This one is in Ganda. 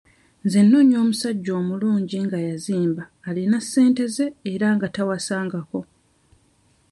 Nze noonya omusajja omulungi nga yazimba, alina ssente ze era nga tawasangako.